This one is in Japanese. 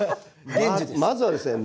まずはですね